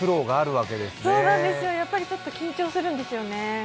やっぱり緊張するんですよね。